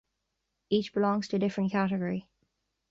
Each belongs to a different category.